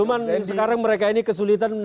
cuman sekarang mereka ini kesulitan menang